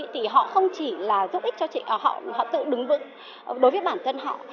thì họ không chỉ là giúp ích cho họ tự đứng vững đối với bản thân họ